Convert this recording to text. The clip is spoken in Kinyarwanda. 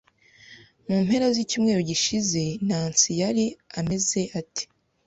Mu mpera z'icyumweru gishize, Nancy yari ameze ate?